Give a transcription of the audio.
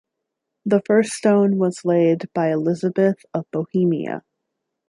The first stone was laid by Elizabeth of Bohemia.